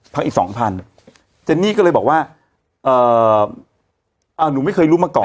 อีกสองพันเจนนี่ก็เลยบอกว่าหนูไม่เคยรู้มาก่อน